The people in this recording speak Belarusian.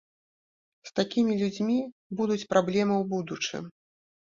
З такімі людзьмі будуць праблемы ў будучым.